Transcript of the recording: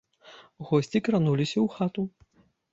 Госці крануліся ў хату.